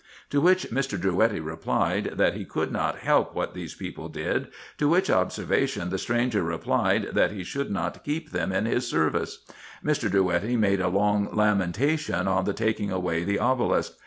To which Mr. Drouetti replied, that he could not help what these people did ; to which observation the stranger replied, that he should not keep them in his service. Mr. Drouetti made a long lamentation on the taking away the obelisk.